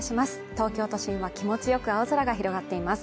東京都心は気持ちよく青空が広がっています。